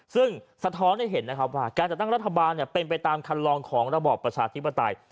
ซึ่งสะท้อนให้เห็นนะครับว่าการจัดตั้งรัฐบาลเป็นไปตามคันลองของระบอบประชาธิปไตย